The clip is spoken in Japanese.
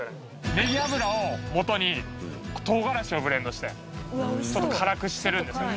ねぎ油をもとに唐辛子をブレンドしてちょっと辛くしてるんですね